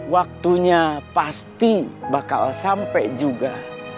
waktunya pasti bakal sampai juga